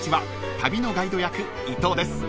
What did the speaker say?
旅のガイド役伊藤です］